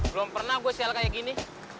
belum pernah gue sel kayak gini